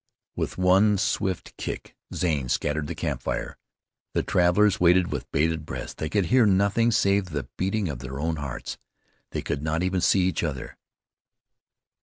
With one swift kick Zane scattered the camp fire. The travelers waited with bated breaths. They could hear nothing save the beating of their own hearts; they could not even see each other.